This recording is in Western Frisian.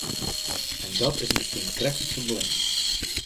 En dat is miskien krekt it probleem.